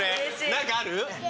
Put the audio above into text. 何かある？